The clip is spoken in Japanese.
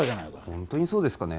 ホントにそうですかね？